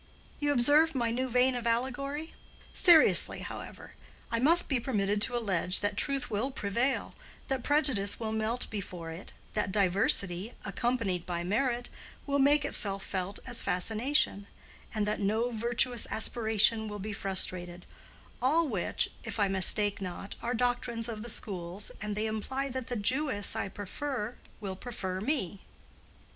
(You observe my new vein of allegory?) Seriously, however, I must be permitted to allege that truth will prevail, that prejudice will melt before it, that diversity, accompanied by merit, will make itself felt as fascination, and that no virtuous aspiration will be frustrated—all which, if I mistake not, are doctrines of the schools, and they imply that the Jewess I prefer will prefer me.